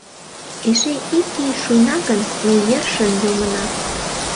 Эше ик ий шуйна гын, ме йӧршын йомына.